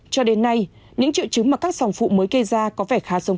cho đến nay những triệu chứng mà các sòng phụ mới gây ra có vẻ khá rộng